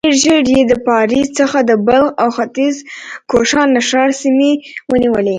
ډېر ژر يې د پارس څخه د بلخ او ختيځ کوشانښار سيمې ونيولې.